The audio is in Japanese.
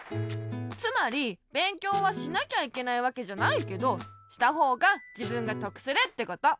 つまりべんきょうはしなきゃいけないわけじゃないけどしたほうがじぶんがとくするってこと。